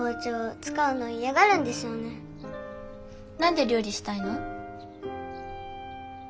何で料理したいの？